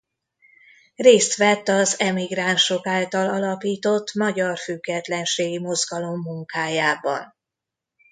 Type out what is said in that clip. Részt vett az emigránsok által alapított Magyar Függetlenségi Mozgalom munkájában.